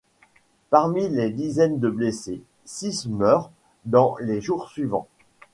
Parmi les dizaines de blessés, six meurent dans les jours suivants.